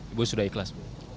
ibu sudah ikhlas